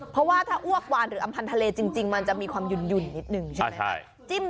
เพราะว่าถ้าอ้วกวานหรืออำพันธ์ทะเลจริงมันจะมีความหยุ่นนิดนึงใช่ไหม